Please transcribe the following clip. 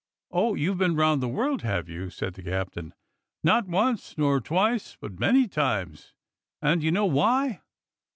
"Oh, you've been round the world, have you?" said the captain. ^*Not once nor twice, but many times, and do you know why?"